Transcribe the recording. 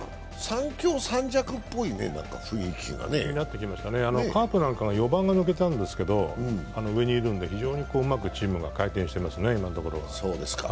３強３弱っぽいね、雰囲気がカープなんかは４番が抜けたんですけど、上にいるんで非常にうまくチームが回転してますね、今のところ。